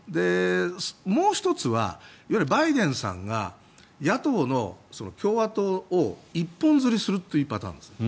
もう１つは、バイデンさんが野党の共和党を一本釣りするというパターンですね。